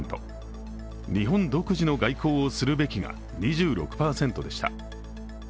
日本独自の外交をするべきが２６％でした。